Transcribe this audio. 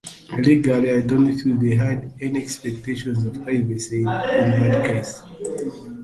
Legally, I don't feel they had any expectation of privacy in that case.